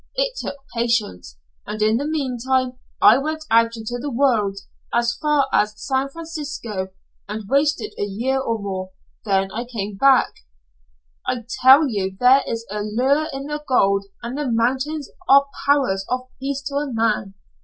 It took patience, and in the meantime I went out into the world as far as San Francisco, and wasted a year or more; then back I came. "I tell you there is a lure in the gold, and the mountains are powers of peace to a man.